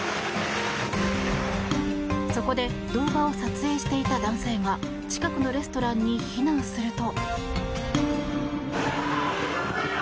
そこで動画を撮影していた男性が近くのレストランに避難すると。